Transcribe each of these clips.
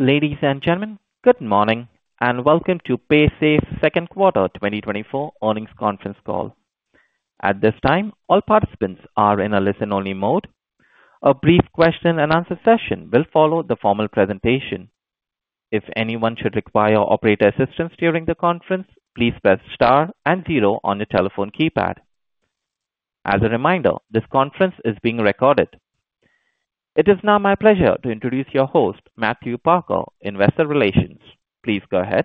Ladies and gentlemen, good morning, and welcome to Paysafe's second quarter 2024 earnings conference call. At this time, all participants are in a listen-only mode. A brief question and answer session will follow the formal presentation. If anyone should require operator assistance during the conference, please press star and zero on your telephone keypad. As a reminder, this conference is being recorded. It is now my pleasure to introduce your host, Matthew Parker, Investor Relations. Please go ahead.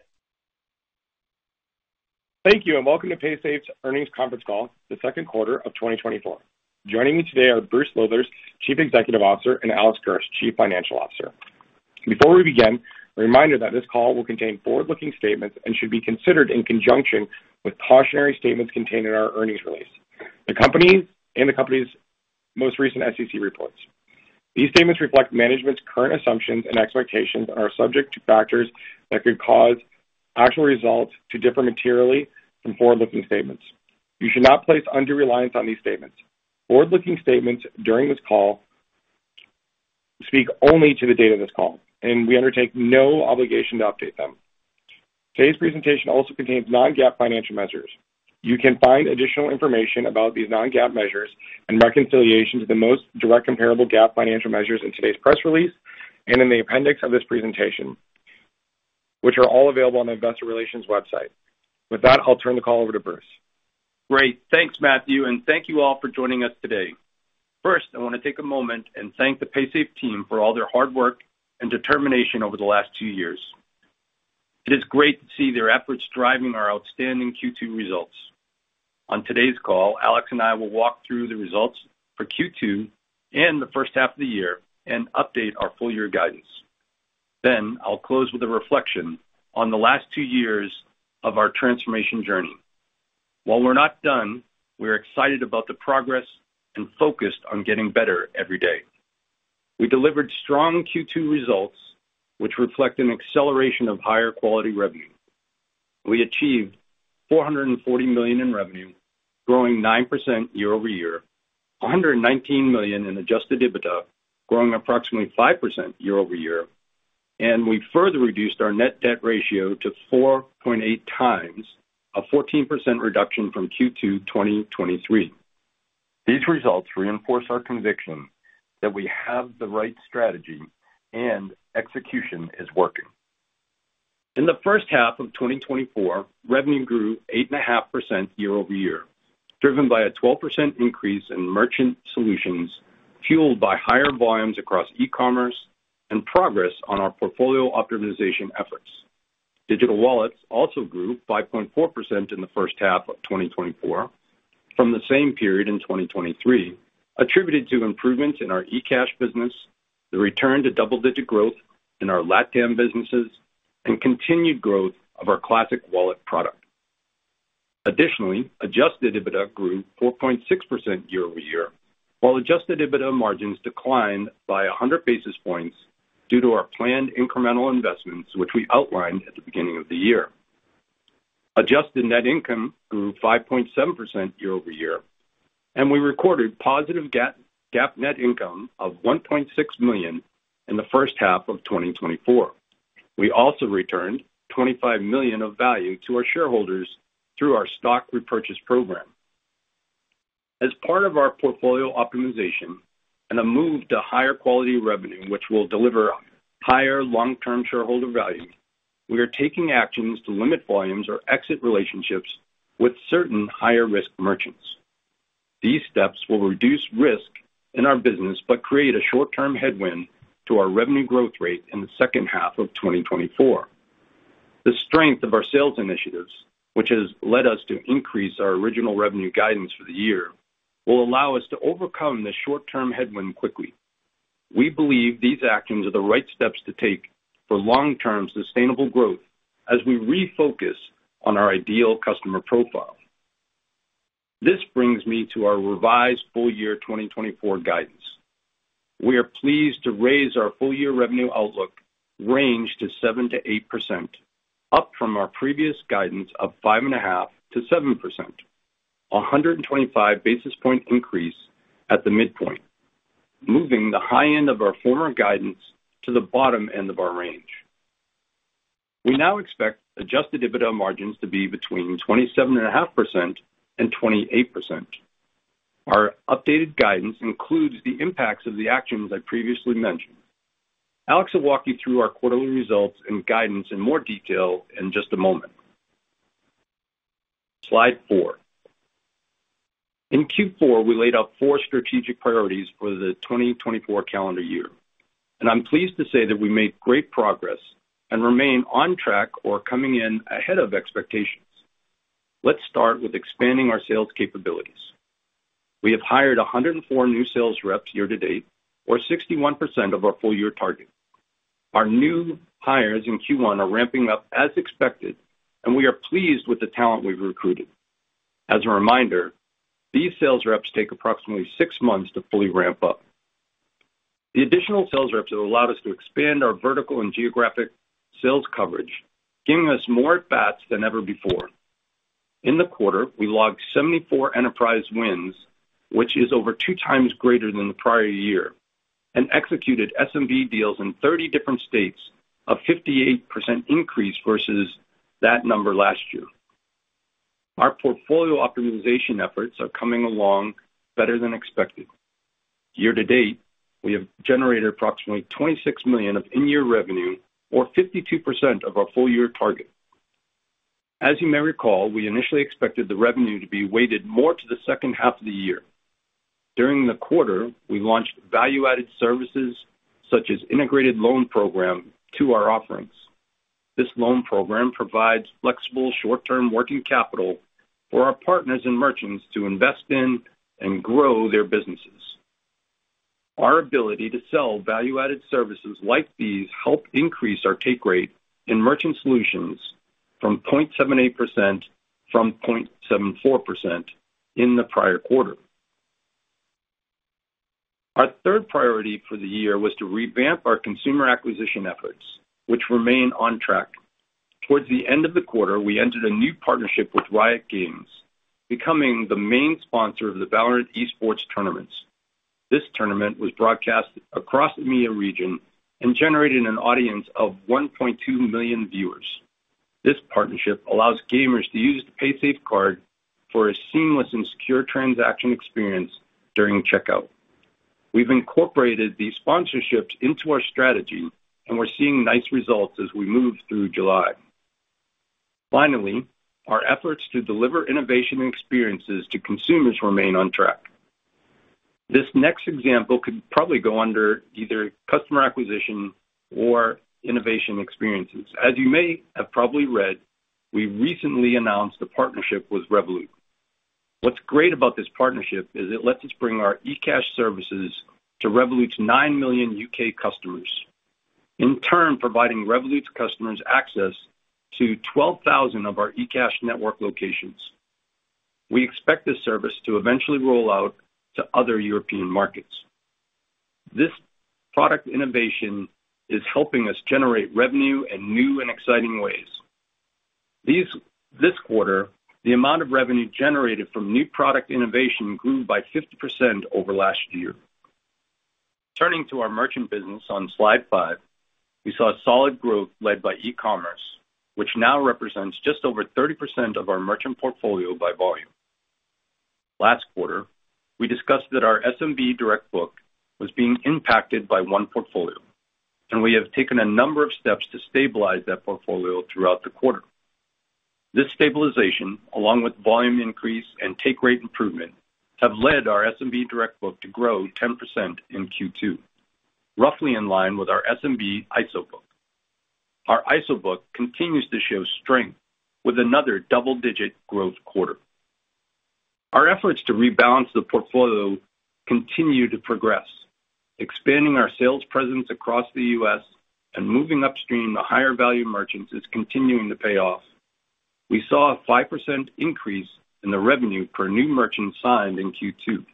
Thank you, and welcome to Paysafe's earnings conference call, the second quarter of 2024. Joining me today are Bruce Lowthers, Chief Executive Officer, and Alex Gersh, Chief Financial Officer. Before we begin, a reminder that this call will contain forward-looking statements and should be considered in conjunction with cautionary statements contained in our earnings release, the company and the company's most recent SEC reports. These statements reflect management's current assumptions and expectations are subject to factors that could cause actual results to differ materially from forward-looking statements. You should not place undue reliance on these statements. Forward-looking statements during this call speak only to the date of this call, and we undertake no obligation to update them. Today's presentation also contains non-GAAP financial measures. You can find additional information about these non-GAAP measures and reconciliation to the most direct comparable GAAP financial measures in today's press release and in the appendix of this presentation, which are all available on the investor relations website. With that, I'll turn the call over to Bruce. Great. Thanks, Matthew, and thank you all for joining us today. First, I want to take a moment and thank the Paysafe team for all their hard work and determination over the last two years. It is great to see their efforts driving our outstanding Q2 results. On today's call, Alex and I will walk through the results for Q2 and the first half of the year and update our full year guidance. Then I'll close with a reflection on the last two years of our transformation journey. While we're not done, we are excited about the progress and focused on getting better every day. We delivered strong Q2 results, which reflect an acceleration of higher quality revenue. We achieved $440 million in revenue, growing 9% year-over-year, $119 million in Adjusted EBITDA, growing approximately 5% year-over-year, and we further reduced our net debt ratio to 4.8x, a 14% reduction from Q2 2023. These results reinforce our conviction that we have the right strategy and execution is working. In the first half of 2024, revenue grew 8.5% year-over-year, driven by a 12% increase in Merchant Solutions, fueled by higher volumes across e-commerce and progress on our portfolio optimization efforts. Digital Wallets also grew 5.4% in the first half of 2024 from the same period in 2023, attributed to improvements in our eCash business, the return to double-digit growth in our LatAm businesses, and continued growth of our classic wallet product. Additionally, adjusted EBITDA grew 4.6% year-over-year, while adjusted EBITDA margins declined by 100 basis points due to our planned incremental investments, which we outlined at the beginning of the year. Adjusted net income grew 5.7% year-over-year, and we recorded positive GAAP net income of $1.6 million in the first half of 2024. We also returned $25 million of value to our shareholders through our stock repurchase program. As part of our portfolio optimization and a move to higher quality revenue, which will deliver higher long-term shareholder value, we are taking actions to limit volumes or exit relationships with certain higher-risk merchants. These steps will reduce risk in our business, but create a short-term headwind to our revenue growth rate in the second half of 2024. The strength of our sales initiatives, which has led us to increase our original revenue guidance for the year, will allow us to overcome the short-term headwind quickly. We believe these actions are the right steps to take for long-term sustainable growth as we refocus on our ideal customer profile. This brings me to our revised full year 2024 guidance. We are pleased to raise our full-year revenue outlook range to 7%-8%, up from our previous guidance of 5.5%-7%, 125 basis point increase at the midpoint, moving the high end of our former guidance to the bottom end of our range. We now expect Adjusted EBITDA margins to be between 27.5% and 28%. Our updated guidance includes the impacts of the actions I previously mentioned. Alex will walk you through our quarterly results and guidance in more detail in just a moment. Slide four. In Q4, we laid out four strategic priorities for the 2024 calendar year, and I'm pleased to say that we made great progress and remain on track or coming in ahead of expectations. Let's start with expanding our sales capabilities. We have hired 104 new sales reps year to date, or 61% of our full-year target. Our new hires in Q1 are ramping up as expected, and we are pleased with the talent we've recruited. As a reminder, these sales reps take approximately 6 months to fully ramp up. The additional sales reps have allowed us to expand our vertical and geographic sales coverage, giving us more at-bats than ever before. In the quarter, we logged 74 enterprise wins, which is over 2 times greater than the prior year, and executed SMB deals in 30 different states, a 58% increase versus that number last year. Our portfolio optimization efforts are coming along better than expected. Year to date, we have generated approximately $26 million of in-year revenue, or 52% of our full-year target. As you may recall, we initially expected the revenue to be weighted more to the second half of the year. During the quarter, we launched value-added services, such as integrated loan program, to our offerings. This loan program provides flexible, short-term working capital for our partners and merchants to invest in and grow their businesses. Our ability to sell value-added services like these help increase our take rate in Merchant Solutions from 0.78% from 0.74% in the prior quarter. Our third priority for the year was to revamp our consumer acquisition efforts, which remain on track. Toward the end of the quarter, we entered a new partnership with Riot Games, becoming the main sponsor of the Valorant esports tournaments. This tournament was broadcast across the EMEA region and generated an audience of 1.2 million viewers. This partnership allows gamers to use the Paysafecard for a seamless and secure transaction experience during checkout. We've incorporated these sponsorships into our strategy, and we're seeing nice results as we move through July. Finally, our efforts to deliver innovation and experiences to consumers remain on track. This next example could probably go under either customer acquisition or innovation experiences. As you may have probably read, we recently announced a partnership with Revolut. What's great about this partnership is it lets us bring our eCash services to Revolut's 9 million U.K. customers. In turn, providing Revolut's customers access to 12,000 of our eCash network locations. We expect this service to eventually roll out to other European markets. This product innovation is helping us generate revenue in new and exciting ways. This quarter, the amount of revenue generated from new product innovation grew by 50% over last year. Turning to our merchant business on slide 5, we saw solid growth led by e-commerce, which now represents just over 30% of our merchant portfolio by volume. Last quarter, we discussed that our SMB Direct book was being impacted by one portfolio, and we have taken a number of steps to stabilize that portfolio throughout the quarter. This stabilization, along with volume increase and take rate improvement, have led our SMB Direct book to grow 10% in Q2, roughly in line with our SMB ISO book. Our ISO book continues to show strength with another double-digit growth quarter. Our efforts to rebalance the portfolio continue to progress. Expanding our sales presence across the U.S. and moving upstream to higher value merchants is continuing to pay off. We saw a 5% increase in the revenue per new merchant signed in Q2.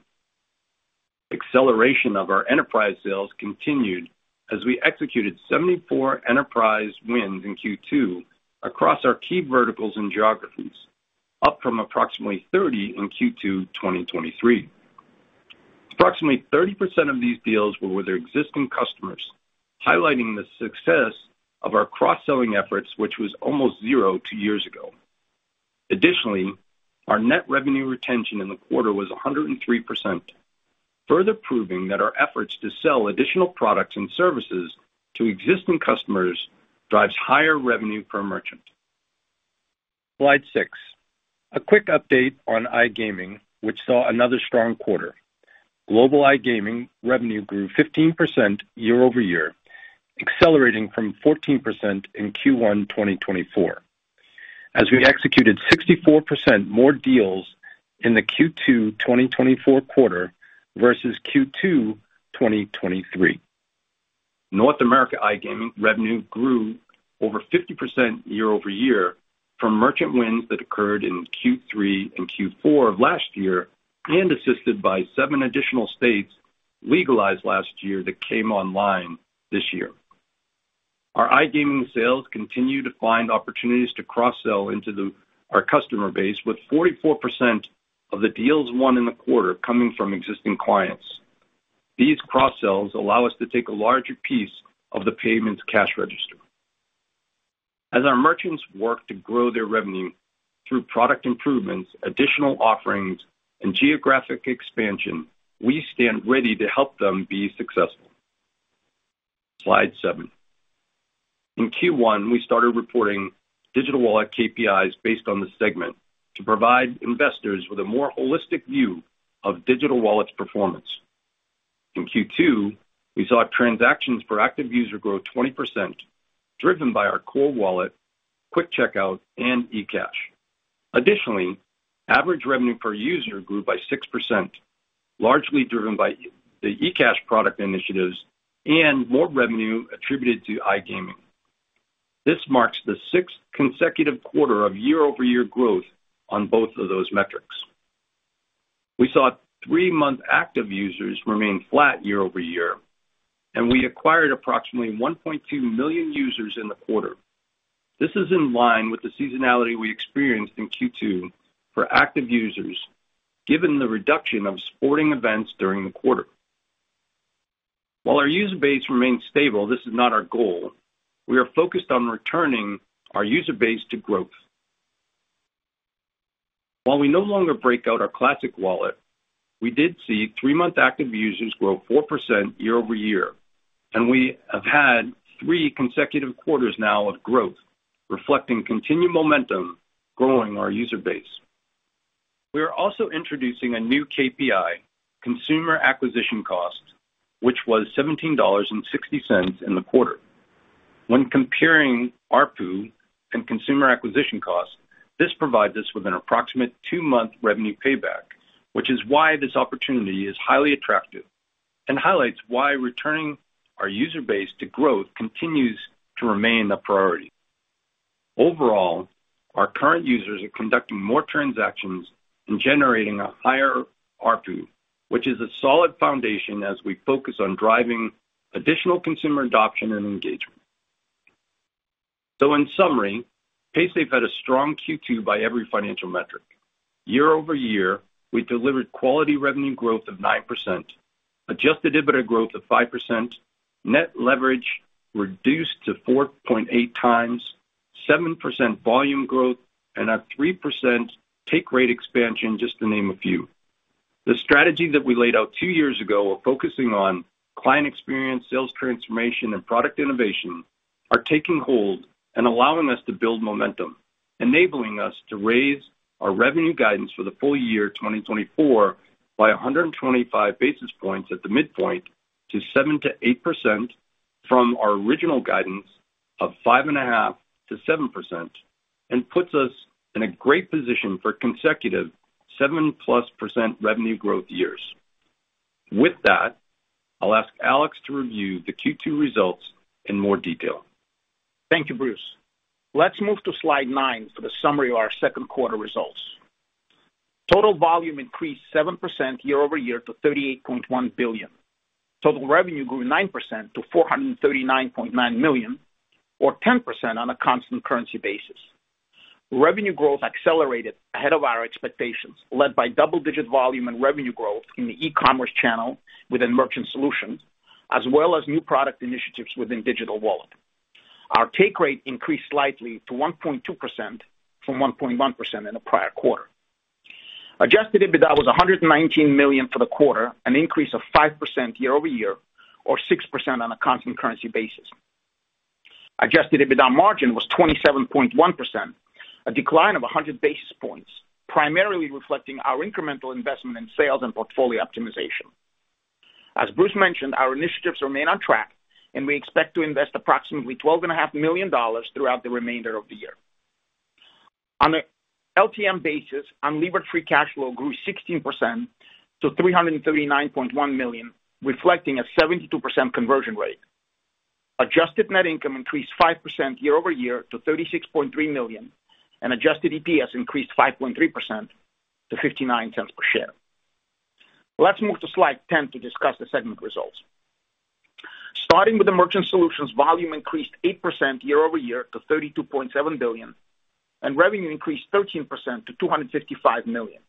Acceleration of our enterprise sales continued as we executed 74 enterprise wins in Q2 across our key verticals and geographies, up from approximately 30 in Q2, 2023. Approximately 30% of these deals were with our existing customers, highlighting the success of our cross-selling efforts, which was almost zero two years ago. Additionally, our net revenue retention in the quarter was 103%, further proving that our efforts to sell additional products and services to existing customers drives higher revenue per merchant. Slide six. A quick update on iGaming, which saw another strong quarter. Global iGaming revenue grew 15% year-over-year, accelerating from 14% in Q1, 2024, as we executed 64% more deals in the Q2, 2024 quarter versus Q2, 2023. North America iGaming revenue grew over 50% year-over-year from merchant wins that occurred in Q3 and Q4 of last year, and assisted by seven additional states legalized last year that came online this year. Our iGaming sales continue to find opportunities to cross-sell into our customer base, with 44% of the deals won in the quarter coming from existing clients. These cross-sells allow us to take a larger piece of the payments cash register. As our merchants work to grow their revenue through product improvements, additional offerings, and geographic expansion, we stand ready to help them be successful. Slide 7. In Q1, we started reporting digital wallet KPIs based on the segment to provide investors with a more holistic view of digital wallets performance. In Q2, we saw transactions per active user grow 20%, driven by our core wallet, quick checkout, and eCash. Additionally, average revenue per user grew by 6%, largely driven by the eCash product initiatives and more revenue attributed to iGaming. This marks the sixth consecutive quarter of year-over-year growth on both of those metrics. We saw three-month active users remain flat year-over-year, and we acquired approximately 1.2 million users in the quarter. This is in line with the seasonality we experienced in Q2 for active users, given the reduction of sporting events during the quarter. While our user base remains stable, this is not our goal. We are focused on returning our user base to growth. While we no longer break out our classic wallet, we did see three-month active users grow 4% year-over-year, and we have had three consecutive quarters now of growth, reflecting continued momentum growing our user base. We are also introducing a new KPI, consumer acquisition cost, which was $17.60 in the quarter. When comparing ARPU and consumer acquisition costs, this provides us with an approximate two-month revenue payback, which is why this opportunity is highly attractive and highlights why returning our user base to growth continues to remain a priority. Overall, our current users are conducting more transactions and generating a higher ARPU, which is a solid foundation as we focus on driving additional consumer adoption and engagement. So in summary, Paysafe had a strong Q2 by every financial metric. Year-over-year, we delivered quality revenue growth of 9%, Adjusted EBITDA growth of 5%, net leverage reduced to 4.8x, 7% volume growth, and a 3% take rate expansion, just to name a few. The strategy that we laid out two years ago of focusing on client experience, sales transformation, and product innovation are taking hold and allowing us to build momentum, enabling us to raise our revenue guidance for the full year 2024 by 125 basis points at the midpoint to 7%-8% from our original guidance of 5.5%-7%, and puts us in a great position for consecutive 7%+ revenue growth years. With that, I'll ask Alex to review the Q2 results in more detail. Thank you, Bruce. Let's move to slide 9 for the summary of our second quarter results. Total volume increased 7% year-over-year to $38.1 billion. Total revenue grew 9% to $439.9 million, or 10% on a constant currency basis. Revenue growth accelerated ahead of our expectations, led by double-digit volume and revenue growth in the e-commerce channel within Merchant Solutions, as well as new product initiatives within Digital Wallet. Our take rate increased slightly to 1.2% from 1.1% in the prior quarter. Adjusted EBITDA was $119 million for the quarter, an increase of 5% year-over-year, or 6% on a constant currency basis. Adjusted EBITDA margin was 27.1%, a decline of 100 basis points, primarily reflecting our incremental investment in sales and portfolio optimization. As Bruce mentioned, our initiatives remain on track, and we expect to invest approximately $12.5 million throughout the remainder of the year. On an LTM basis, unlevered free cash flow grew 16% to $339.1 million, reflecting a 72% conversion rate. Adjusted net income increased 5% year-over-year to $36.3 million, and adjusted EPS increased 5.3% to $0.59 per share. Let's move to slide 10 to discuss the segment results. Starting with the Merchant Solutions, volume increased 8% year-over-year to $32.7 billion, and revenue increased 13% to $255 million.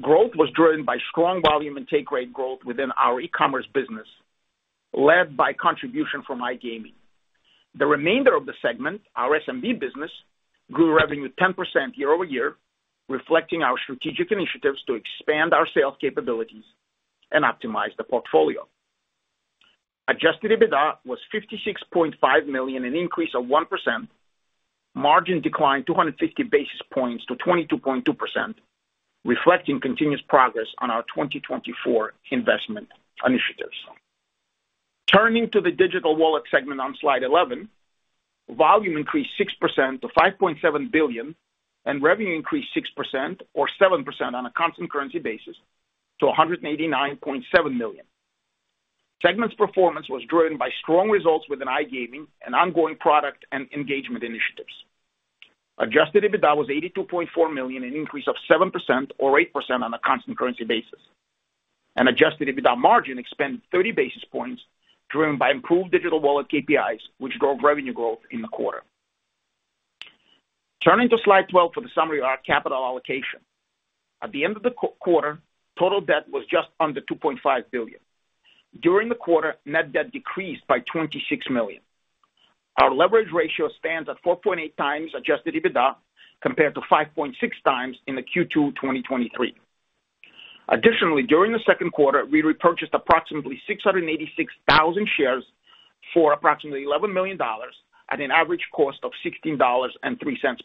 Growth was driven by strong volume and take rate growth within our e-commerce business, led by contribution from iGaming. The remainder of the segment, our SMB business, grew revenue 10% year-over-year, reflecting our strategic initiatives to expand our sales capabilities and optimize the portfolio. Adjusted EBITDA was $56.5 million, an increase of 1%. Margin declined 250 basis points to 22.2%, reflecting continuous progress on our 2024 investment initiatives. Turning to the Digital Wallet segment on Slide 11, volume increased 6% to $5.7 billion, and revenue increased 6% or 7% on a constant currency basis to $189.7 million. Segment's performance was driven by strong results within iGaming and ongoing product and engagement initiatives. Adjusted EBITDA was $82.4 million, an increase of 7% or 8% on a constant currency basis, and adjusted EBITDA margin expanded 30 basis points, driven by improved digital wallet KPIs, which drove revenue growth in the quarter. Turning to Slide 12 for the summary of our capital allocation. At the end of the quarter, total debt was just under $2.5 billion. During the quarter, net debt decreased by $26 million. Our leverage ratio stands at 4.8 times adjusted EBITDA, compared to 5.6 times in the Q2 2023. Additionally, during the second quarter, we repurchased approximately 686,000 shares for approximately $11 million at an average cost of $16.03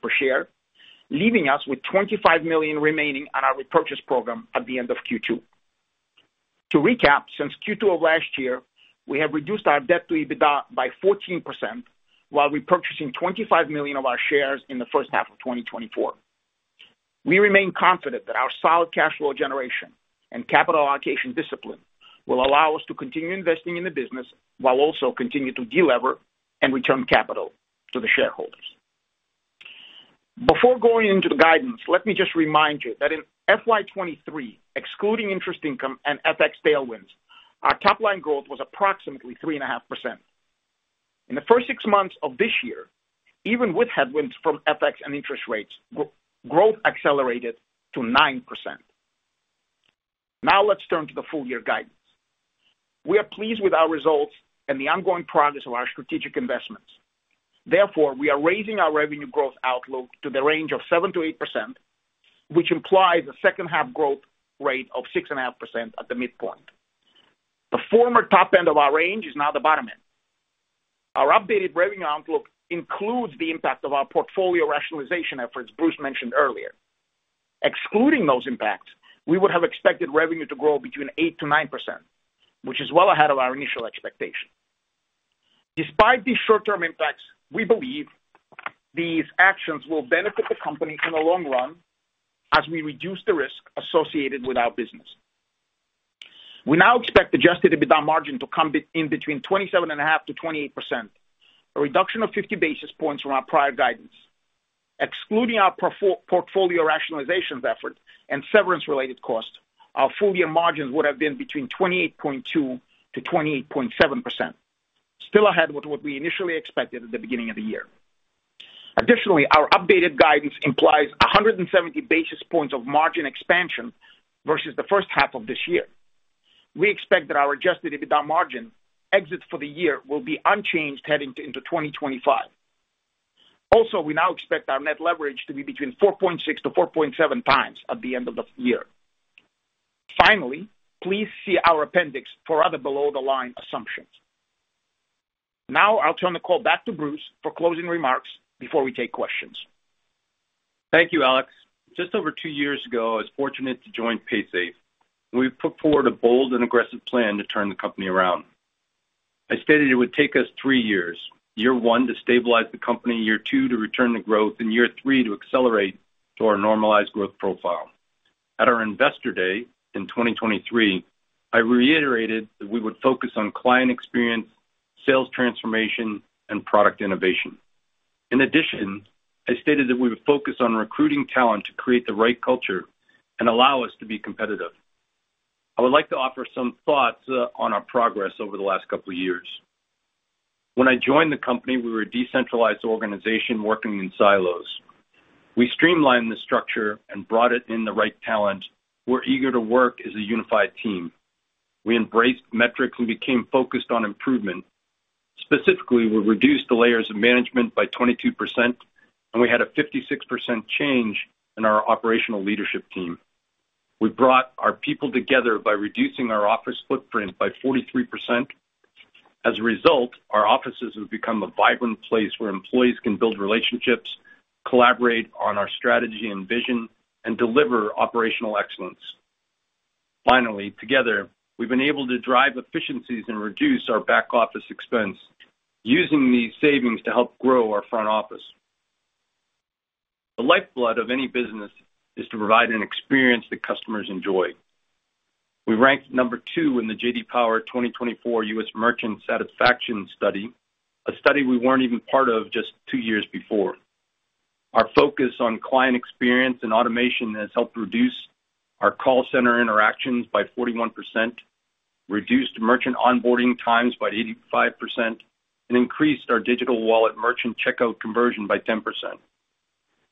per share, leaving us with $25 million remaining on our repurchase program at the end of Q2. To recap, since Q2 of last year, we have reduced our debt to EBITDA by 14%, while repurchasing 25 million of our shares in the first half of 2024. We remain confident that our solid cash flow generation and capital allocation discipline will allow us to continue investing in the business while also continue to delever and return capital to the shareholders... Before going into the guidance, let me just remind you that in FY 2023, excluding interest income and FX tailwinds, our top-line growth was approximately 3.5%. In the first six months of this year, even with headwinds from FX and interest rates, growth accelerated to 9%. Now let's turn to the full year guidance. We are pleased with our results and the ongoing progress of our strategic investments. Therefore, we are raising our revenue growth outlook to the range of 7%-8%, which implies a second half growth rate of 6.5% at the midpoint. The former top end of our range is now the bottom end. Our updated revenue outlook includes the impact of our portfolio rationalization efforts Bruce mentioned earlier. Excluding those impacts, we would have expected revenue to grow between 8%-9%, which is well ahead of our initial expectation. Despite these short-term impacts, we believe these actions will benefit the company in the long run as we reduce the risk associated with our business. We now expect Adjusted EBITDA margin to come in between 27.5%-28%, a reduction of 50 basis points from our prior guidance. Excluding our portfolio rationalizations effort and severance-related costs, our full year margins would have been between 28.2%-28.7%, still ahead with what we initially expected at the beginning of the year. Additionally, our updated guidance implies 170 basis points of margin expansion versus the first half of this year. We expect that our adjusted EBITDA margin exits for the year will be unchanged heading into 2025. Also, we now expect our net leverage to be between 4.6x-4.7x at the end of the year. Finally, please see our appendix for other below-the-line assumptions. Now I'll turn the call back to Bruce for closing remarks before we take questions. Thank you, Alex. Just over two years ago, I was fortunate to join Paysafe, and we put forward a bold and aggressive plan to turn the company around. I stated it would take us three years: year 1 to stabilize the company, year 2 to return to growth, and year 3 to accelerate to our normalized growth profile. At our investor day in 2023, I reiterated that we would focus on client experience, sales transformation, and product innovation. In addition, I stated that we would focus on recruiting talent to create the right culture and allow us to be competitive. I would like to offer some thoughts on our progress over the last couple of years. When I joined the company, we were a decentralized organization working in silos. We streamlined the structure and brought in the right talent. We're eager to work as a unified team. We embraced metrics and became focused on improvement. Specifically, we reduced the layers of management by 22%, and we had a 56% change in our operational leadership team. We brought our people together by reducing our office footprint by 43%. As a result, our offices have become a vibrant place where employees can build relationships, collaborate on our strategy and vision, and deliver operational excellence. Finally, together, we've been able to drive efficiencies and reduce our back-office expense, using these savings to help grow our front office. The lifeblood of any business is to provide an experience that customers enjoy. We ranked number 2 in the J.D. Power 2024 U.S. Merchant Satisfaction Study, a study we weren't even part of just 2 years before. Our focus on client experience and automation has helped reduce our call center interactions by 41%, reduced merchant onboarding times by 85%, and increased our digital wallet merchant checkout conversion by 10%.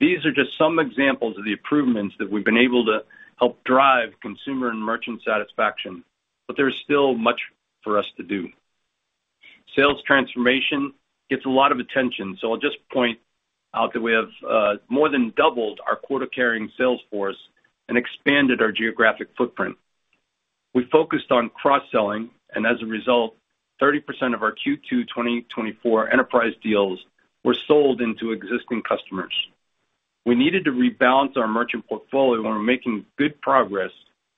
These are just some examples of the improvements that we've been able to help drive consumer and merchant satisfaction, but there is still much for us to do. Sales transformation gets a lot of attention, so I'll just point out that we have more than doubled our quota-carrying sales force and expanded our geographic footprint. We focused on cross-selling, and as a result, 30% of our Q2 2024 enterprise deals were sold into existing customers. We needed to rebalance our merchant portfolio, and we're making good progress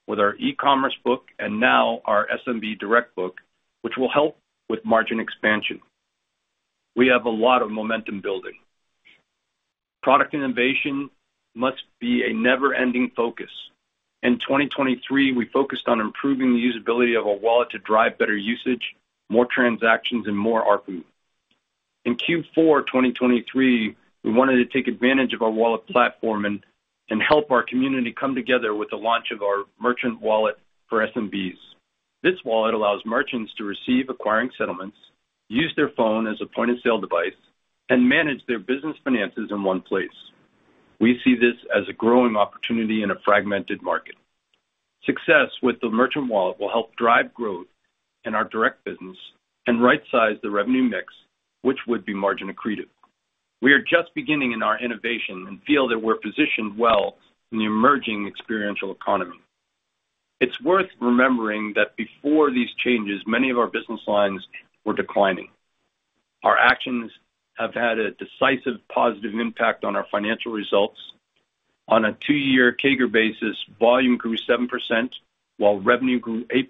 with our e-commerce book and now our SMB Direct book, which will help with margin expansion. We have a lot of momentum building. Product innovation must be a never-ending focus. In 2023, we focused on improving the usability of our wallet to drive better usage, more transactions, and more ARPU. In Q4 2023, we wanted to take advantage of our wallet platform and help our community come together with the launch of our Merchant Wallet for SMBs. This wallet allows merchants to receive acquiring settlements, use their phone as a point-of-sale device, and manage their business finances in one place. We see this as a growing opportunity in a fragmented market. Success with the Merchant Wallet will help drive growth in our direct business and rightsize the revenue mix, which would be margin accretive. We are just beginning in our innovation and feel that we're positioned well in the emerging experiential economy. It's worth remembering that before these changes, many of our business lines were declining. Our actions have had a decisive positive impact on our financial results. On a two-year CAGR basis, volume grew 7%, while revenue grew 8%,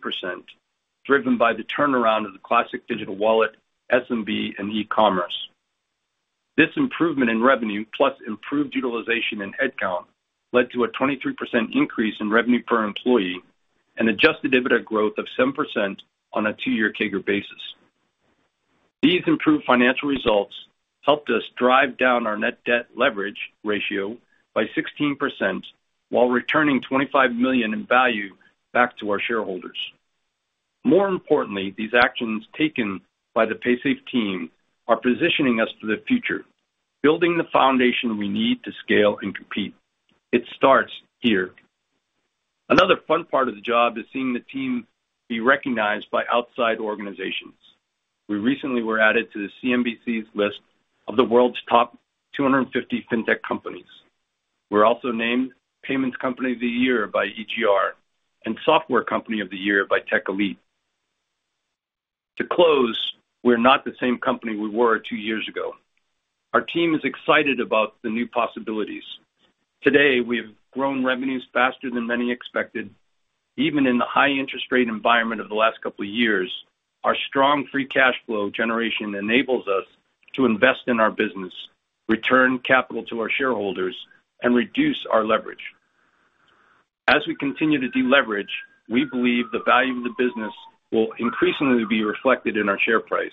driven by the turnaround of the classic digital wallet, SMB, and e-commerce. This improvement in revenue, plus improved utilization and headcount, led to a 23% increase in revenue per employee and adjusted EBITDA growth of 7% on a two-year CAGR basis.... These improved financial results helped us drive down our net debt leverage ratio by 16%, while returning $25 million in value back to our shareholders. More importantly, these actions taken by the Paysafe team are positioning us for the future, building the foundation we need to scale and compete. It starts here. Another fun part of the job is seeing the team be recognized by outside organizations. We recently were added to the CNBC's list of the world's top 250 fintech companies. We're also named Payments Company of the Year by EGR and Software Company of the Year by Tech Elite. To close, we're not the same company we were two years ago. Our team is excited about the new possibilities. Today, we've grown revenues faster than many expected. Even in the high interest rate environment of the last couple of years, our strong free cash flow generation enables us to invest in our business, return capital to our shareholders, and reduce our leverage. As we continue to deleverage, we believe the value of the business will increasingly be reflected in our share price.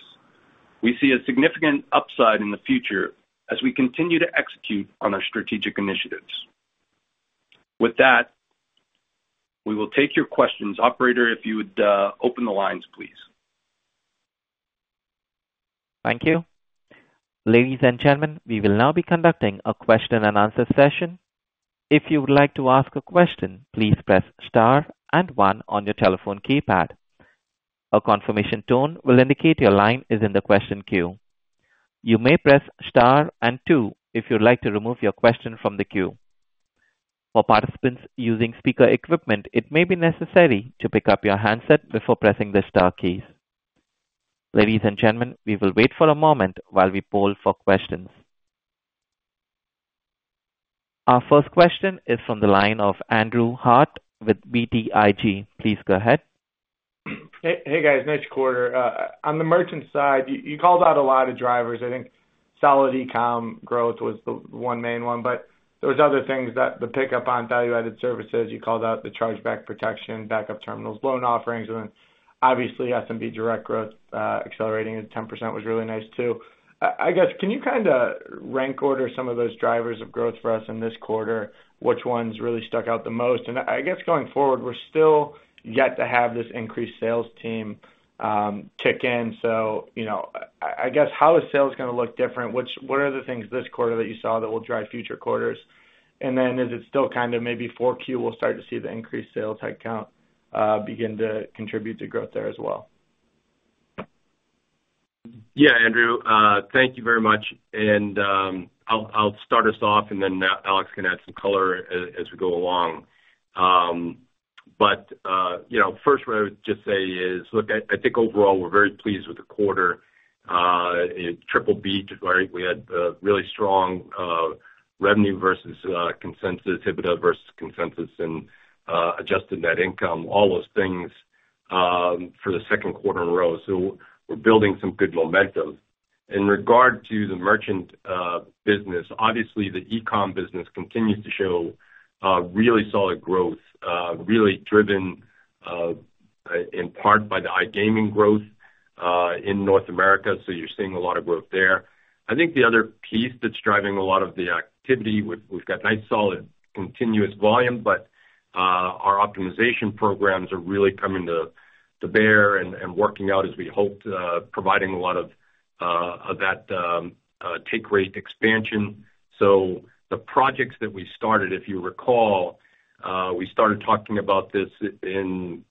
We see a significant upside in the future as we continue to execute on our strategic initiatives. With that, we will take your questions. Operator, if you would, open the lines, please. Thank you. Ladies and gentlemen, we will now be conducting a question-and-answer session. If you would like to ask a question, please press star and one on your telephone keypad. A confirmation tone will indicate your line is in the question queue. You may press star and two if you'd like to remove your question from the queue. For participants using speaker equipment, it may be necessary to pick up your handset before pressing the star key. Ladies and gentlemen, we will wait for a moment while we poll for questions. Our first question is from the line of Andrew Harte with BTIG. Please go ahead. Hey, guys, Andrew Harte. On the merchant side, you called out a lot of drivers. I think solid e-com growth was the one main one, but there was other things that the pickup on value-added services, you called out the chargeback protection, backup terminals, loan offerings, and then obviously, SMB Direct growth accelerating at 10% was really nice, too. I guess, can you kinda rank order some of those drivers of growth for us in this quarter? Which ones really stuck out the most? And I guess going forward, we're still yet to have this increased sales team kick in. So, you know, I guess, how is sales gonna look different? What are the things this quarter that you saw that will drive future quarters? And then is it still kind of maybe Q4, we'll start to see the increased sales headcount begin to contribute to growth there as well? Yeah, Andrew, thank you very much. And, I'll start us off, and then Alex can add some color as we go along. But, you know, first what I would just say is, look, I think overall, we're very pleased with the quarter. It triple beat, where we had really strong revenue versus consensus, EBITDA versus consensus, and adjusted net income, all those things, for the second quarter in a row. So we're building some good momentum. In regard to the merchant business, obviously, the e-com business continues to show really solid growth, really driven in part by the iGaming growth in North America, so you're seeing a lot of growth there. I think the other piece that's driving a lot of the activity, we've got nice, solid, continuous volume, but our optimization programs are really coming to bear and working out as we hoped, providing a lot of that take rate expansion. So the projects that we started, if you recall, we started talking about this in,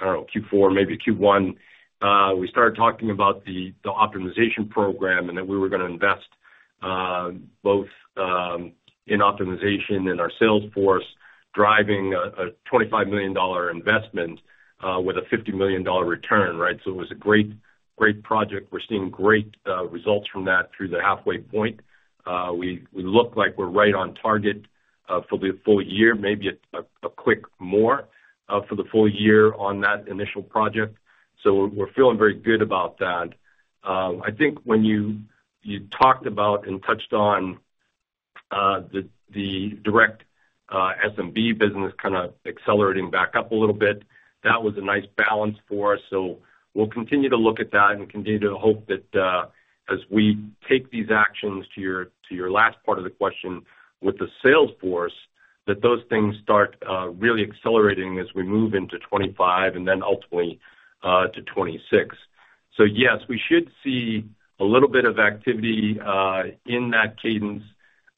I don't know, Q4, maybe Q1. We started talking about the optimization program and that we were gonna invest both in optimization in our sales force, driving a $25 million investment with a $50 million return, right? So it was a great, great project. We're seeing great results from that through the halfway point. We look like we're right on target for the full year, maybe a quick more for the full year on that initial project. So we're feeling very good about that. I think when you talked about and touched on the direct SMB business kinda accelerating back up a little bit. That was a nice balance for us. So we'll continue to look at that and continue to hope that as we take these actions to your last part of the question with the sales force, that those things start really accelerating as we move into 2025 and then ultimately to 2026. So yes, we should see a little bit of activity in that cadence.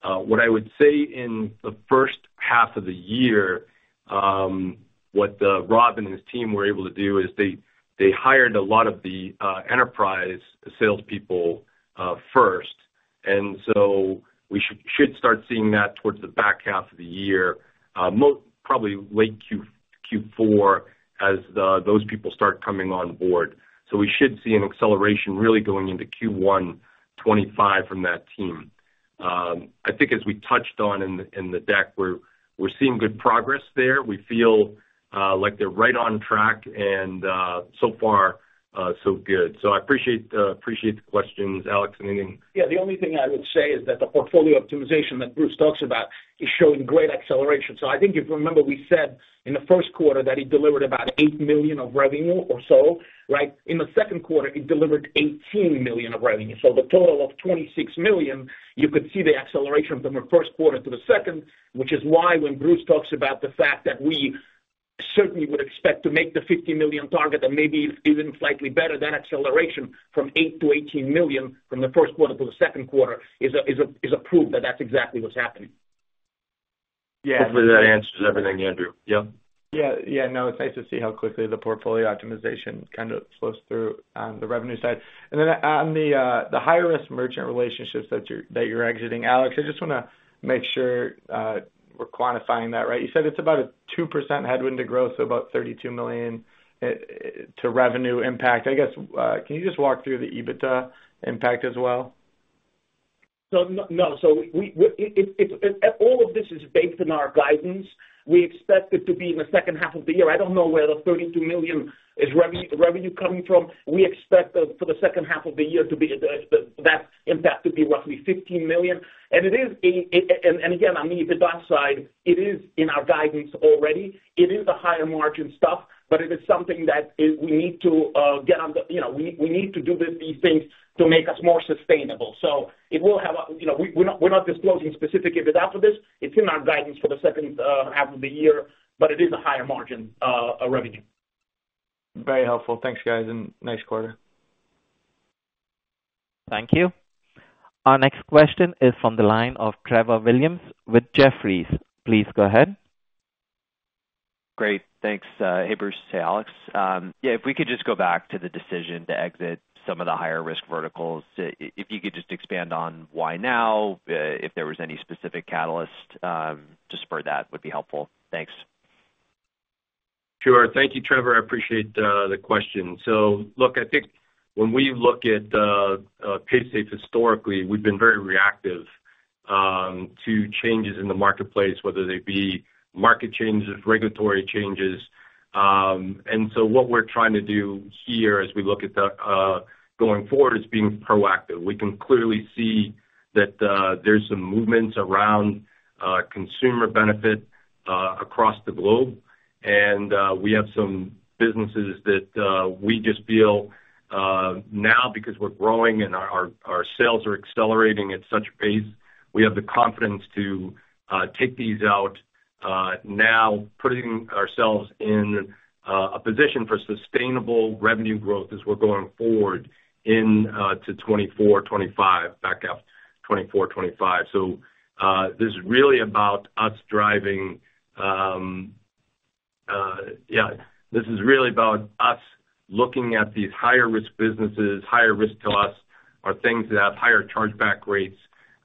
What I would say in the first half of the year, Rob and his team were able to do is they, they hired a lot of the enterprise salespeople first, and so we should, should start seeing that towards the back half of the year, most probably late Q4 as those people start coming on board. So we should see an acceleration really going into Q1 2025 from that team. I think as we touched on in the deck, we're, we're seeing good progress there. We feel like they're right on track, and so far, so good. So I appreciate, appreciate the questions, Alex and then- Yeah, the only thing I would say is that the portfolio optimization that Bruce talks about is showing great acceleration. So I think if you remember, we said in the first quarter that it delivered about $8 million of revenue or so, right? In the second quarter, it delivered $18 million of revenue. So the total of $26 million, you could see the acceleration from the first quarter to the second, which is why when Bruce talks about the fact that we- ... certainly would expect to make the $50 million target and maybe even slightly better. That acceleration from $8 million to $18 million from the first quarter to the second quarter is a proof that that's exactly what's happening. Yeah. Hopefully, that answers everything, Andrew. Yeah? Yeah. Yeah, no, it's nice to see how quickly the portfolio optimization kind of flows through on the revenue side. And then on the, the high-risk merchant relationships that you're, that you're exiting, Alex, I just wanna make sure, we're quantifying that right. You said it's about a 2% headwind to growth, so about $32 million to revenue impact. I guess, can you just walk through the EBITDA impact as well? So no. So it, it's -- all of this is based on our guidance. We expect it to be in the second half of the year. I don't know where the $32 million revenue is coming from. We expect for the second half of the year that impact to be roughly $15 million. And it is, and again, on the EBITDA side, it is in our guidance already. It is the higher margin stuff, but it is something that is -- we need to get on the... You know, we need to do these things to make us more sustainable. So it will have a -- you know, we're not disclosing specific EBITDA for this. It's in our guidance for the second half of the year, but it is a higher margin revenue. Very helpful. Thanks, guys, and nice quarter. Thank you. Our next question is from the line of Trevor Williams with Jefferies. Please go ahead. Great. Thanks. Hey, Bruce. Hey, Alex. Yeah, if we could just go back to the decision to exit some of the higher risk verticals. If you could just expand on why now, if there was any specific catalyst, just for that would be helpful. Thanks. Sure. Thank you, Trevor. I appreciate the question. So look, I think when we look at Paysafe historically, we've been very reactive to changes in the marketplace, whether they be market changes, regulatory changes. And so what we're trying to do here as we look at going forward is being proactive. We can clearly see that there's some movements around consumer benefit across the globe. And we have some businesses that we just feel now because we're growing and our sales are accelerating at such a pace, we have the confidence to take these out now, putting ourselves in a position for sustainable revenue growth as we're going forward in to 2024, 2025. Back half, 2024, 2025. So this is really about us driving... Yeah, this is really about us looking at these higher risk businesses. Higher risk to us are things that have higher chargeback rates.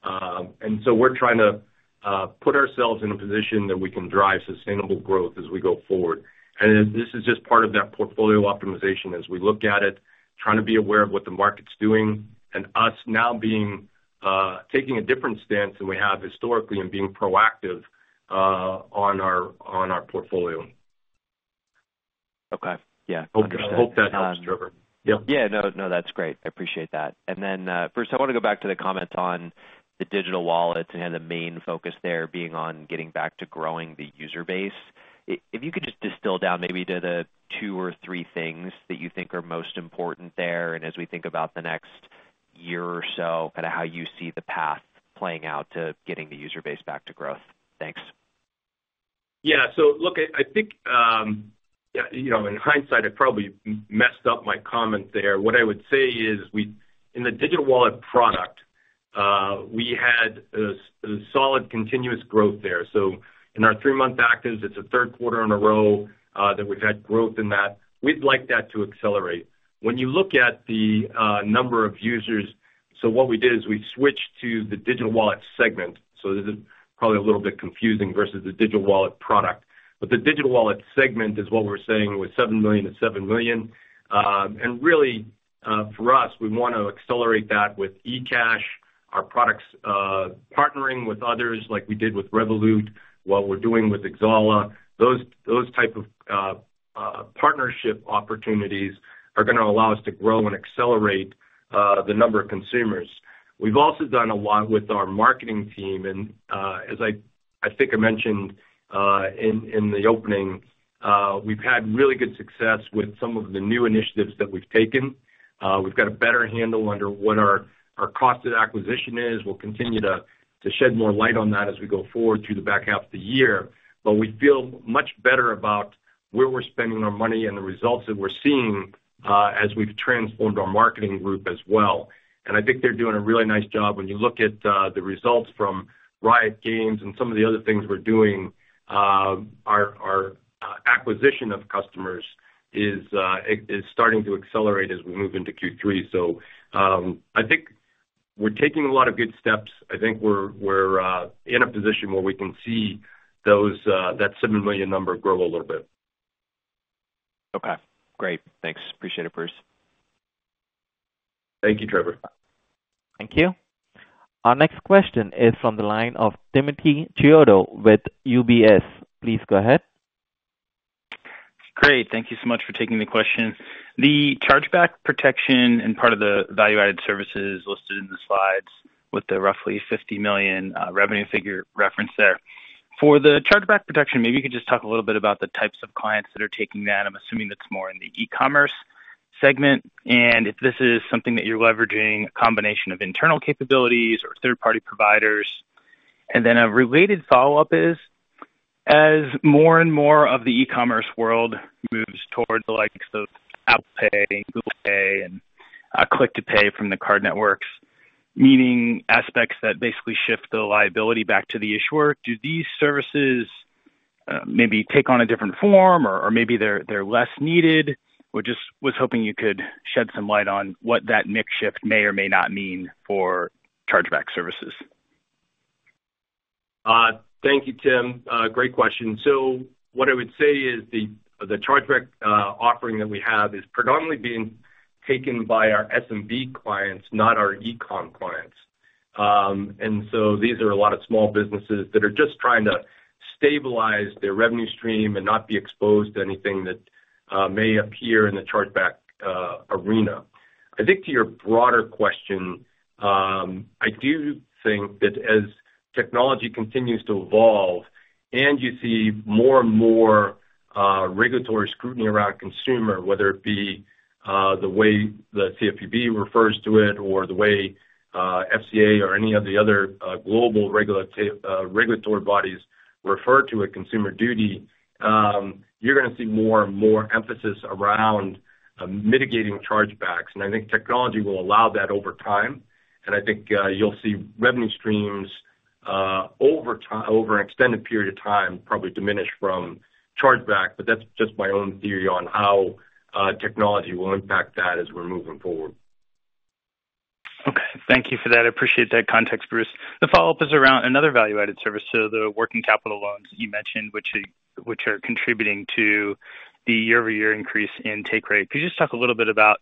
And so we're trying to put ourselves in a position that we can drive sustainable growth as we go forward. And this is just part of that portfolio optimization as we look at it, trying to be aware of what the market's doing, and us now being taking a different stance than we have historically and being proactive on our, on our portfolio. Okay. Yeah. Understood. I hope that helps, Trevor. Yeah. Yeah. No, no, that's great. I appreciate that. And then, first, I want to go back to the comment on the digital wallets and the main focus there being on getting back to growing the user base. If you could just distill down maybe to the two or three things that you think are most important there, and as we think about the next year or so, kind of how you see the path playing out to getting the user base back to growth. Thanks. Yeah. So look, I think, you know, in hindsight, I probably messed up my comment there. What I would say is we in the digital wallet product, we had a solid continuous growth there. So in our three-month actives, it's a third quarter in a row that we've had growth in that. We'd like that to accelerate. When you look at the number of users—so what we did is we switched to the digital wallet segment, so this is probably a little bit confusing, versus the digital wallet product. But the digital wallet segment is what we're saying, with 7 million to 7 million. And really, for us, we want to accelerate that with eCash, our products, partnering with others like we did with Revolut, what we're doing with Xsolla. Those type of partnership opportunities are gonna allow us to grow and accelerate the number of consumers. We've also done a lot with our marketing team, and as I think I mentioned in the opening, we've had really good success with some of the new initiatives that we've taken. We've got a better handle under what our cost of acquisition is. We'll continue to shed more light on that as we go forward through the back half of the year. But we feel much better about where we're spending our money and the results that we're seeing as we've transformed our marketing group as well. And I think they're doing a really nice job. When you look at the results from Riot Games and some of the other things we're doing, our acquisition of customers is starting to accelerate as we move into Q3. So, I think we're taking a lot of good steps. I think we're in a position where we can see that 7 million number grow a little bit. Okay, great. Thanks. Appreciate it, Bruce. Thank you, Trevor. Thank you. Our next question is from the line of Timothy Chiodo with UBS. Please go ahead. Great. Thank you so much for taking the question. The chargeback protection and part of the value-added services listed in the slides with the roughly $50 million revenue figure referenced there. For the chargeback protection, maybe you could just talk a little bit about the types of clients that are taking that. I'm assuming that's more in the e-commerce segment, and if this is something that you're leveraging a combination of internal capabilities or third-party providers? Then a related follow-up is, as more and more of the e-commerce world moves towards the likes of Apple Pay, Google Pay, and Click to Pay from the card networks, meaning aspects that basically shift the liability back to the issuer, do these services maybe take on a different form or, or maybe they're, they're less needed? Or just was hoping you could shed some light on what that mix shift may or may not mean for chargeback services. Thank you, Tim. Great question. So what I would say is the, the chargeback offering that we have is predominantly being taken by our SMB clients, not our e-com clients. And so these are a lot of small businesses that are just trying to stabilize their revenue stream and not be exposed to anything that may appear in the chargeback arena. I think to your broader question, I do think that as technology continues to evolve and you see more and more regulatory scrutiny around consumer, whether it be the way the CFPB refers to it, or the way FCA or any of the other global regulatory bodies refer to a consumer duty, you're gonna see more and more emphasis around mitigating chargebacks. I think technology will allow that over time, and I think, you'll see revenue streams, over an extended period of time, probably diminish from chargeback, but that's just my own theory on how, technology will impact that as we're moving forward. Okay. Thank you for that. I appreciate that context, Bruce. The follow-up is around another value-added service, so the working capital loans you mentioned, which are contributing to the year-over-year increase in take rate. Could you just talk a little bit about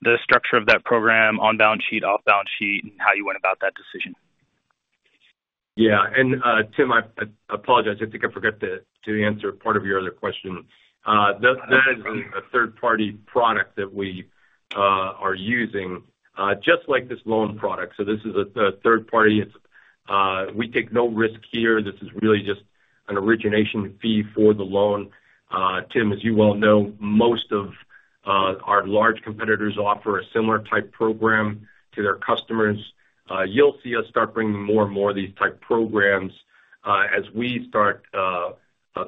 the structure of that program on balance sheet, off balance sheet, and how you went about that decision? Yeah, and, Tim, I apologize. I think I forgot to answer part of your other question. That is a third-party product that we are using just like this loan product. So this is a third party. It's. We take no risk here. This is really just an origination fee for the loan. Tim, as you well know, most of our large competitors offer a similar type program to their customers. You'll see us start bringing more and more of these type programs as we start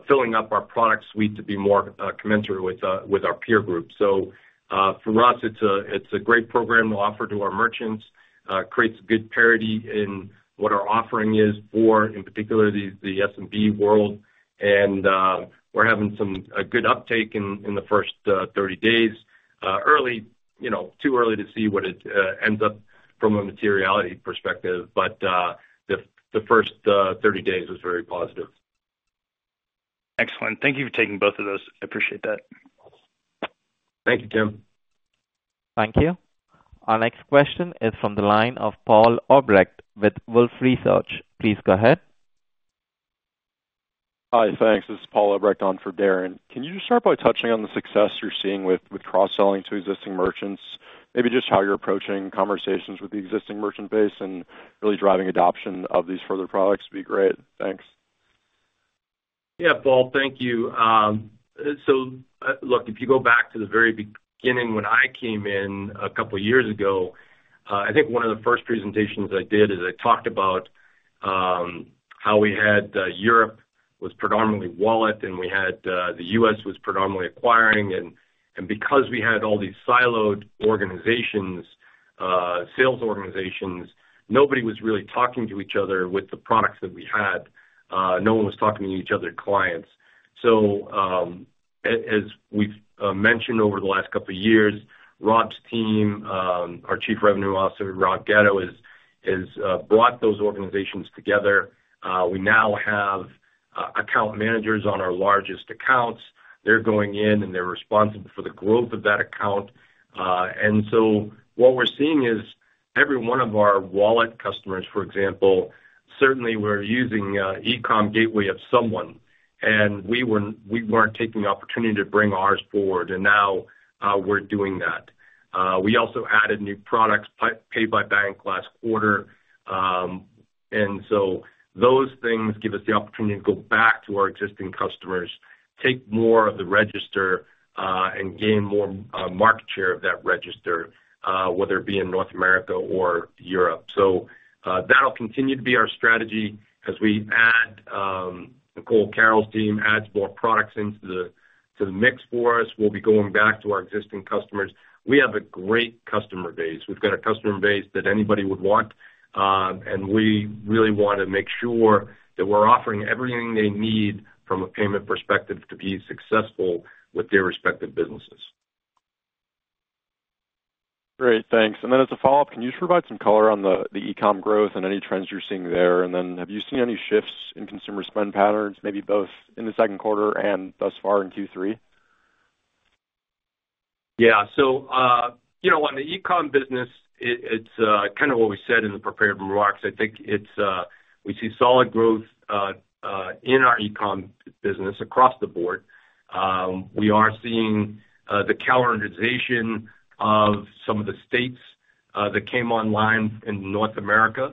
filling up our product suite to be more commensurate with our peer group. So, for us, it's a great program we'll offer to our merchants. Creates good parity in what our offering is for, in particular, the SMB world. We're having a good uptake in the first 30 days. Early, you know, too early to see what it ends up from a materiality perspective, but the first 30 days was very positive. Excellent. Thank you for taking both of those. I appreciate that. Thank you, Tim. Thank you. Our next question is from the line of Paul Obrecht with Wolfe Research. Please go ahead. Hi, thanks. This is Paul Obrecht on for Darrin. Can you just start by touching on the success you're seeing with cross-selling to existing merchants? Maybe just how you're approaching conversations with the existing merchant base and really driving adoption of these further products would be great. Thanks. Yeah, Paul. Thank you. So, look, if you go back to the very beginning when I came in a couple of years ago, I think one of the first presentations I did is I talked about how we had Europe was predominantly wallet, and we had the US was predominantly acquiring. And because we had all these siloed organizations, sales organizations, nobody was really talking to each other with the products that we had. No one was talking to each other's clients. So, as we've mentioned over the last couple of years, Rob's team, our Chief Revenue Officer, Rob Gatto, has brought those organizations together. We now have account managers on our largest accounts. They're going in, and they're responsible for the growth of that account. And so what we're seeing is every one of our wallet customers, for example, certainly were using e-com gateway of someone, and we weren't taking the opportunity to bring ours forward, and now we're doing that. We also added new products, Pay by Bank, last quarter. And so those things give us the opportunity to go back to our existing customers, take more of the register, and gain more market share of that register, whether it be in North America or Europe. So that'll continue to be our strategy as we add, Nicole Carroll's team adds more products into the mix for us. We'll be going back to our existing customers. We have a great customer base. We've got a customer base that anybody would want, and we really want to make sure that we're offering everything they need from a payment perspective to be successful with their respective businesses. Great, thanks. And then as a follow-up, can you just provide some color on the e-com growth and any trends you're seeing there? And then, have you seen any shifts in consumer spend patterns, maybe both in the second quarter and thus far in Q3? Yeah. So, you know, on the e-com business, it's kind of what we said in the prepared remarks. I think it's we see solid growth in our e-com business across the board. We are seeing the calendarization of some of the states that came online in North America.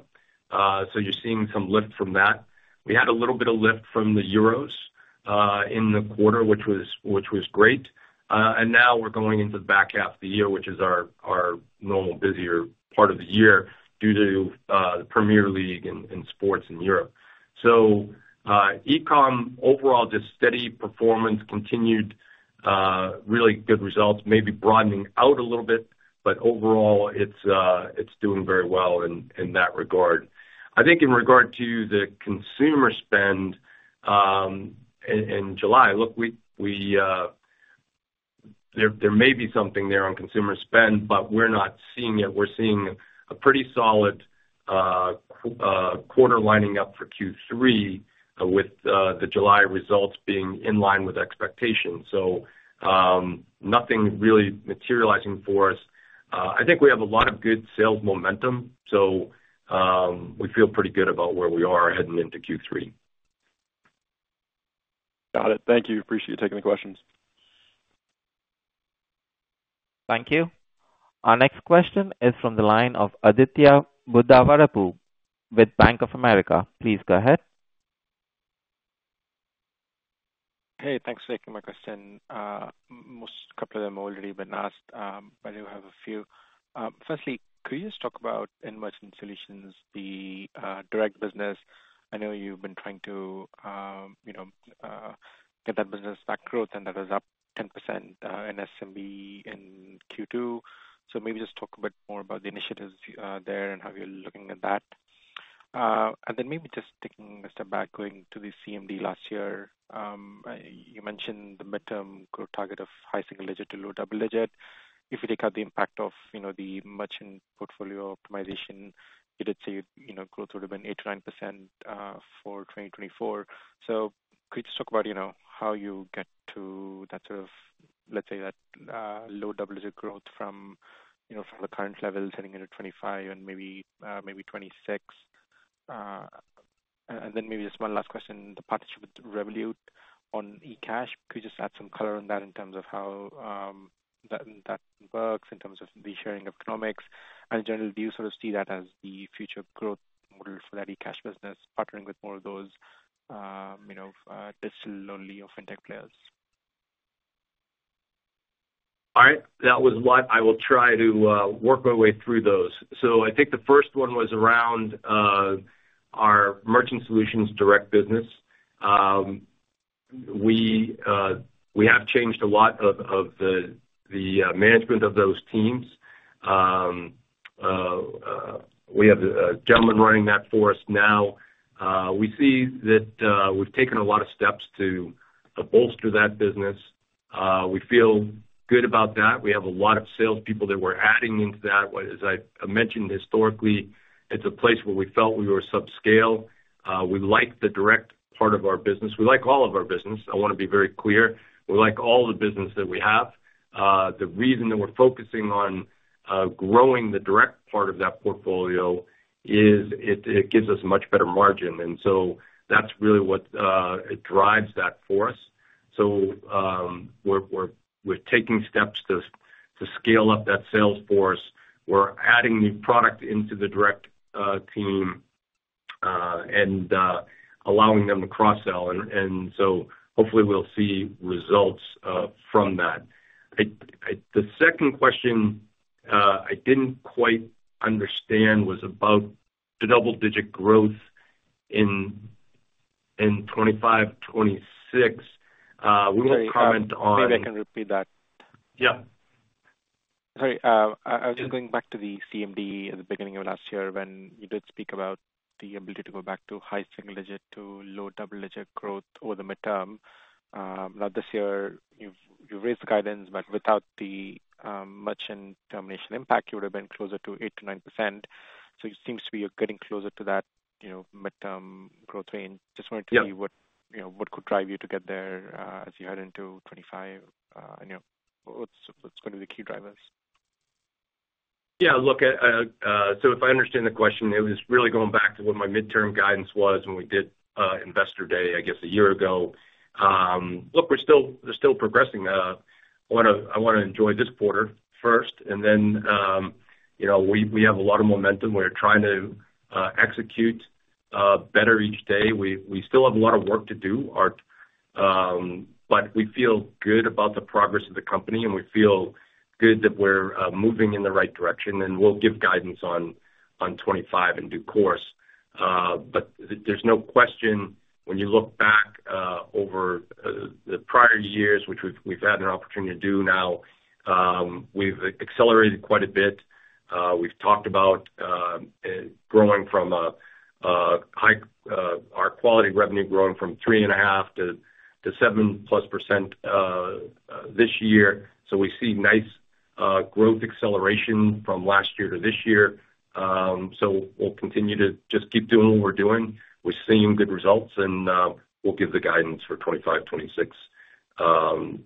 So you're seeing some lift from that. We had a little bit of lift from the Euros in the quarter, which was great. And now we're going into the back half of the year, which is our normal busier part of the year due to the Premier League in sports in Europe. So, e-com, overall, just steady performance, continued really good results, maybe broadening out a little bit, but overall, it's doing very well in that regard. I think in regard to the consumer spend in July, look, there may be something there on consumer spend, but we're not seeing it. We're seeing a pretty solid quarter lining up for Q3, with the July results being in line with expectations. So, nothing really materializing for us. I think we have a lot of good sales momentum, so we feel pretty good about where we are heading into Q3. Got it. Thank you. Appreciate you taking the questions. Thank you. Our next question is from the line of Aditya Buddhavarapu with Bank of America. Please go ahead. Hey, thanks for taking my question. A couple of them have already been asked, but I do have a few. Firstly, could you just talk about in Merchant Solutions the direct business? I know you've been trying to, you know, get that business back to growth, and that is up 10% in SMB in Q2. So maybe just talk a bit more about the initiatives there and how you're looking at that. And then maybe just taking a step back, going to the CMD last year. You mentioned the mid-term growth target of high single digit to low double digit. If you take out the impact of, you know, the merchant portfolio optimization, you did say, you know, growth would have been 8%-9% for 2024. So could you just talk about, you know, how you get to that sort of, let's say, that, low double-digit growth from, you know, from the current level heading into 2025 and maybe, maybe 2026? And then maybe just one last question, the partnership with Revolut on eCash. Could you just add some color on that in terms of how, that, that works in terms of the sharing economics? And in general, do you sort of see that as the future growth model for that eCash business, partnering with more of those, you know, digital-only or fintech players? All right. That was a lot. I will try to work my way through those. So I think the first one was around our Merchant Solutions direct business. We have changed a lot of the management of those teams. We have a gentleman running that for us now. We see that we've taken a lot of steps to bolster that business. We feel good about that. We have a lot of salespeople that we're adding into that. As I mentioned, historically, it's a place where we felt we were subscale. We like the direct part of our business. We like all of our business. I want to be very clear. We like all the business that we have. The reason that we're focusing on growing the direct part of that portfolio is it gives us much better margin, and so that's really what it drives that for us. So, we're taking steps to scale up that sales force. We're adding new product into the direct team, and allowing them to cross-sell, and so hopefully we'll see results from that. The second question I didn't quite understand was about the double-digit growth in 2025, 2026. We won't comment on- Maybe I can repeat that. Yeah. Sorry, I was just going back to the CMD at the beginning of last year, when you did speak about the ability to go back to high single digit to low double-digit growth over the midterm. Now this year, you've raised the guidance, but without the merchant termination impact, you would have been closer to 8%-9%. So it seems to be you're getting closer to that, you know, midterm growth range. Yeah. Just wondering to you what, you know, what could drive you to get there, as you head into 2025? And, you know, what's, what's going to be the key drivers? Yeah. Look, so if I understand the question, it was really going back to what my midterm guidance was when we did, Investor Day, I guess, a year ago. Look, we're still—we're still progressing. I wanna, I wanna enjoy this quarter first, and then, you know, we, we have a lot of momentum. We're trying to, execute, better each day. We, we still have a lot of work to do. But we feel good about the progress of the company, and we feel good that we're, moving in the right direction, and we'll give guidance on, on 2025 in due course. But there's no question, when you look back, over the prior years, which we've, we've had an opportunity to do now, we've accelerated quite a bit. We've talked about growing our high-quality revenue from 3.5% to 7+% this year. So we see nice growth acceleration from last year to this year. So we'll continue to just keep doing what we're doing. We're seeing good results, and we'll give the guidance for 2025, 2026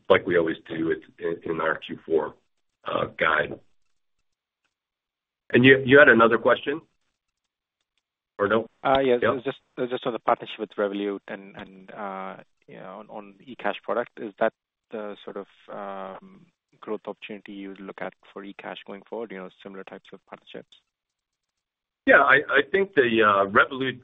like we always do it in our Q4 guide. You had another question, or no? Uh, yes. Yeah. Just on the partnership with Revolut and, you know, on eCash product, is that the sort of growth opportunity you look at for eCash going forward, you know, similar types of partnerships?... Yeah, I think the Revolut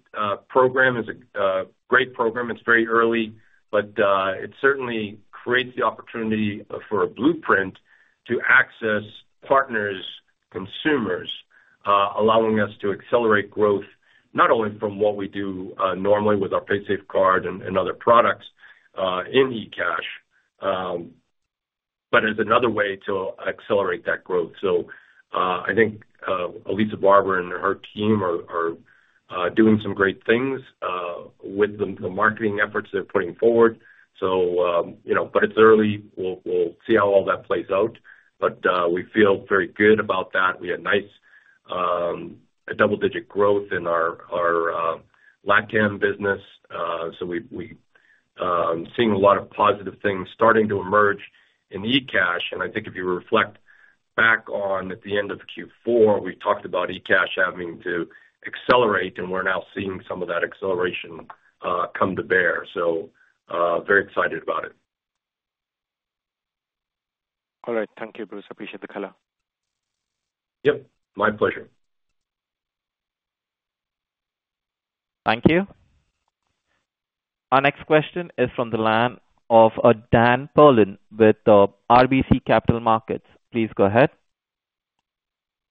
program is a great program. It's very early, but it certainly creates the opportunity for a blueprint to access partners, consumers, allowing us to accelerate growth, not only from what we do normally with our Paysafecard and other products in eCash, but as another way to accelerate that growth. So, I think Elisa Barber and her team are doing some great things with the marketing efforts they're putting forward. So, you know, but it's early. We'll see how all that plays out. But we feel very good about that. We had a nice double-digit growth in our LATAM business. So we seeing a lot of positive things starting to emerge in eCash. I think if you reflect back on at the end of Q4, we talked about eCash having to accelerate, and we're now seeing some of that acceleration come to bear, so very excited about it. All right. Thank you, Bruce. Appreciate the color. Yep, my pleasure. Thank you. Our next question is from the line of Dan Perlin with RBC Capital Markets. Please go ahead.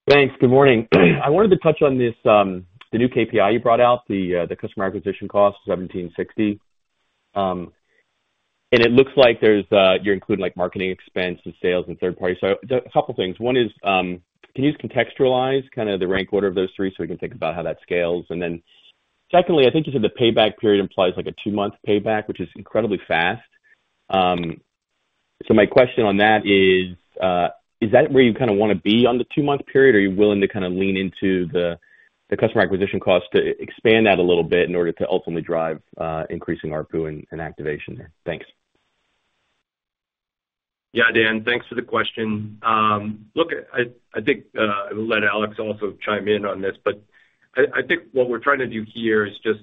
Thanks. Good morning. I wanted to touch on this, the new KPI you brought out, the customer acquisition cost, $1,760. And it looks like you're including, like, marketing expense and sales and third party. So a couple things. One is, can you contextualize kind of the rank order of those three, so we can think about how that scales? And then, secondly, I think you said the payback period implies like a 2-month payback, which is incredibly fast. So my question on that is, is that where you kinda wanna be on the 2-month period, or are you willing to kinda lean into the customer acquisition cost to expand that a little bit in order to ultimately drive increasing ARPU and activation there? Thanks. Yeah, Dan, thanks for the question. Look, I think I will let Alex also chime in on this, but I think what we're trying to do here is just,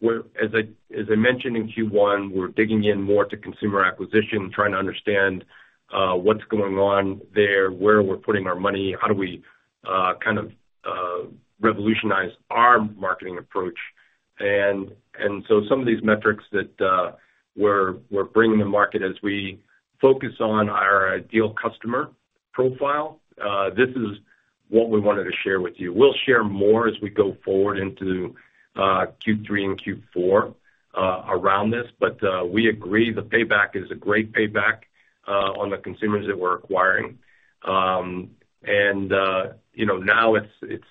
we're, as I mentioned in Q1, we're digging in more to consumer acquisition, trying to understand what's going on there, where we're putting our money, how do we kind of revolutionize our marketing approach. And so some of these metrics that we're bringing to market as we focus on our ideal customer profile, this is what we wanted to share with you. We'll share more as we go forward into Q3 and Q4 around this, but we agree the payback is a great payback on the consumers that we're acquiring. You know, now it's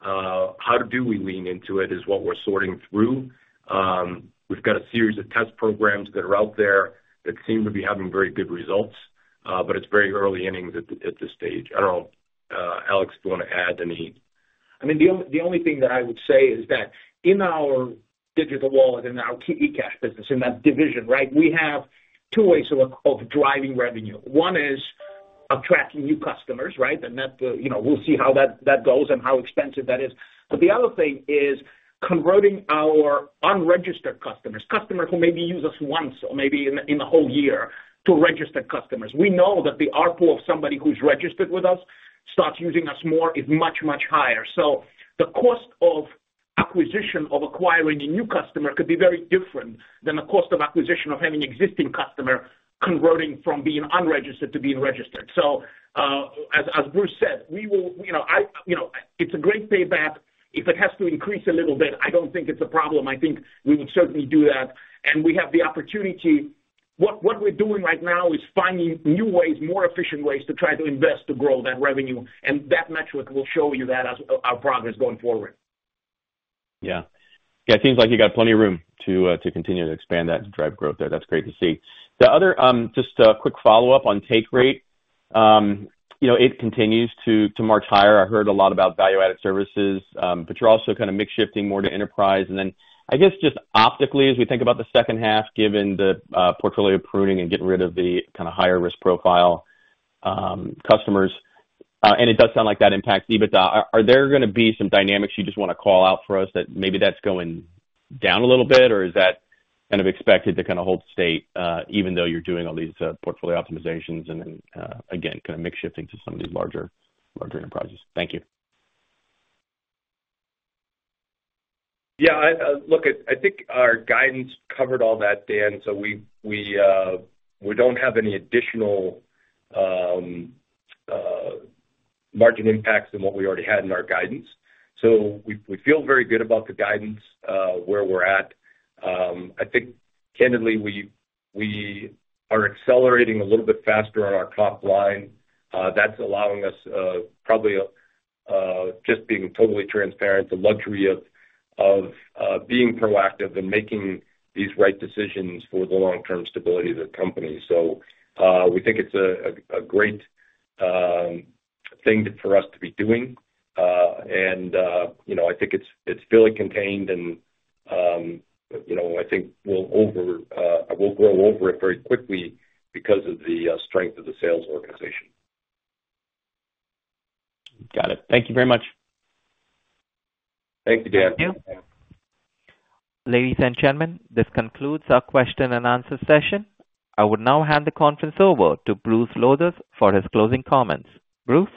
how do we lean into it is what we're sorting through. We've got a series of test programs that are out there that seem to be having very good results, but it's very early innings at this stage. I don't know, Alex, do you wanna add any? I mean, the only, the only thing that I would say is that in our digital wallet, in our eCash business, in that division, right? We have two ways of driving revenue. One is attracting new customers, right? And that, you know, we'll see how that goes and how expensive that is. But the other thing is converting our unregistered customers, customers who maybe use us once or maybe in a whole year, to registered customers. We know that the ARPU of somebody who's registered with us, starts using us more, is much, much higher. So the cost of acquisition of acquiring a new customer could be very different than the cost of acquisition of having existing customer converting from being unregistered to being registered. So, as Bruce said, we will, you know, it's a great payback. If it has to increase a little bit, I don't think it's a problem. I think we would certainly do that, and we have the opportunity. What we're doing right now is finding new ways, more efficient ways, to try to invest to grow that revenue, and that metric will show you that as our progress going forward. Yeah. Yeah, it seems like you got plenty of room to, to continue to expand that and drive growth there. That's great to see. The other, just a quick follow-up on take rate. You know, it continues to, to march higher. I heard a lot about value-added services, but you're also kinda mix shifting more to enterprise. And then, I guess, just optically, as we think about the second half, given the, portfolio pruning and getting rid of the kinda higher risk profile, customers, and it does sound like that impacts EBITDA. Are there gonna be some dynamics you just wanna call out for us that maybe that's going down a little bit, or is that kind of expected to kinda hold state, even though you're doing all these portfolio optimizations and then, again, kinda mix shifting to some of these larger, larger enterprises? Thank you. Yeah, look, I think our guidance covered all that, Dan. So we don't have any additional margin impacts than what we already had in our guidance. So we feel very good about the guidance where we're at. I think candidly, we are accelerating a little bit faster on our top line. That's allowing us, probably, just being totally transparent, the luxury of being proactive and making these right decisions for the long-term stability of the company. So we think it's a great thing for us to be doing. And you know, I think it's fully contained and you know, I think we'll grow over it very quickly because of the strength of the sales organization. Got it. Thank you very much. Thank you, Dan. Thank you. Ladies and gentlemen, this concludes our question and answer session. I would now hand the conference over to Bruce Lowthers for his closing comments. Bruce?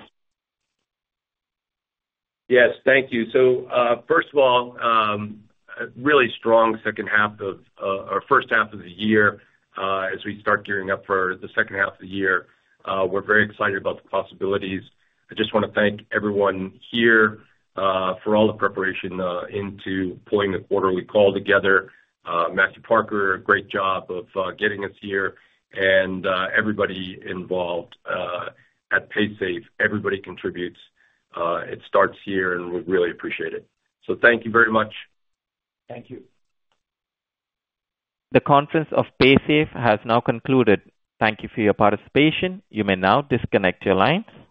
Yes, thank you. So, first of all, a really strong second half of, or first half of the year. As we start gearing up for the second half of the year, we're very excited about the possibilities. I just wanna thank everyone here, for all the preparation, into pulling the quarterly call together. Matthew Parker, great job of, getting us here and, everybody involved, at Paysafe. Everybody contributes. It starts here, and we really appreciate it. So thank you very much. Thank you. The conference of Paysafe has now concluded. Thank you for your participation. You may now disconnect your lines.